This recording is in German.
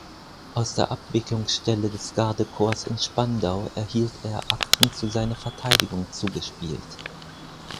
Aus der Abwicklungsstelle des Gardekorps in Spandau erhielt er Akten zu seiner Verteidigung zugespielt.